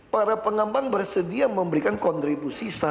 para pengembang bersedia memberikan kontribusi